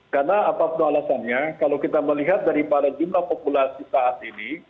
karena apapun alasannya kalau kita melihat daripada jumlah populasi saat ini